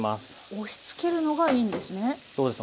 押しつけるのがいいんですね。